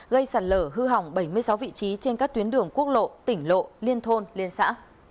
gây sạt lở hư hỏng bảy mươi sáu vị trí trên các tuyến đường quốc lộ tỉnh lộ liên thôn liên xã